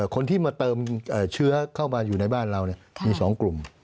คนที่มาเติมเชื้อเข้ามาอยู่ในบ้านเรามี๒กลุ่ม